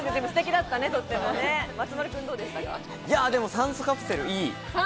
酸素カプセルいい！